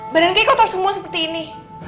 badan ki kotor semua seperti ini